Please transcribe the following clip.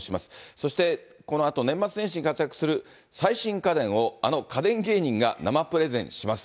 そして、このあと、年末年始に活躍する最新家電を、あの家電芸人が生プレゼンします。